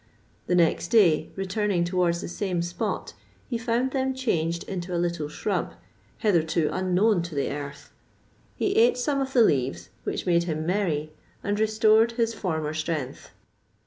The next day, returning towards the same spot, he found them changed into a little shrub, hitherto unknown to the earth. He eat some of the leaves, which made him merry and restored his former strength.